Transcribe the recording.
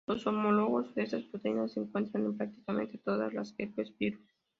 Los homólogos de estas proteínas se encuentran en prácticamente todos los "Herpes virus".